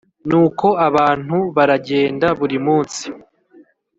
Nuko abantu baragenda buri munsi